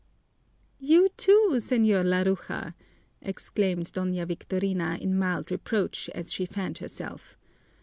"You too, Señor Laruja," exclaimed Doña Victorina in mild reproach, as she fanned herself.